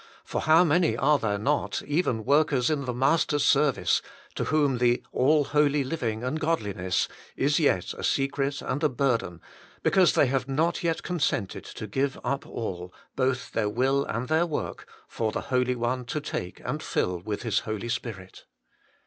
for how many are there not, even workers in the Master's service, to whom the ' all holy living and godliness ' is yet HOLINESS AND HEAVEN. 277 a secret and a burden, because they have not yet consented to give up all, both their will and their work, for the Holy One to take and fill with His Holy Spirit.